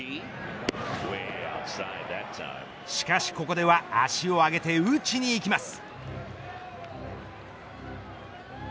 しかしここでは足を上げて打ちにいきます。